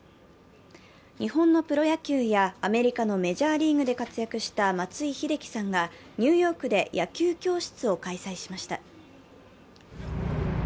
日本のプロ野球やアメリカのメジャーリーグで活躍した松井秀喜さんがニューヨークで野球教室を開催しました。